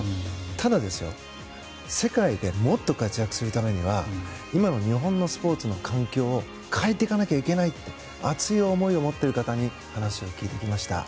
ただ、世界でもっと活躍するためには今の日本のスポーツの環境を変えていかないといけないって熱い思いを持っている方に話を聞いてきました。